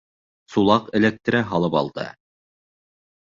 Сулаҡ эләктерә һалып алды.